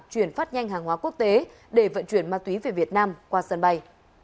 chuyển phát nhanh hàng hóa quốc tế để vận chuyển ma túy về việt nam qua sân bay